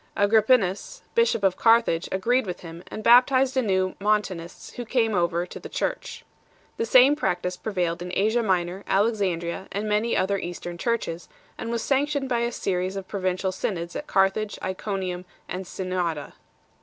Agrippinus 4 , bishop of Carthage, agreed with him, and baptized anew Moiitanists who came over to the Church. The same practice prevailed in Asia Minor, Alexandria, and many other Eastern Churches, and was sanctioned by a series of provincial synods at Carthage, Iconium, and Synnada.